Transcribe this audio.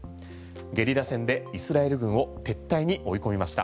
ゲリラ戦でイスラエル軍を撤退に追い込みました。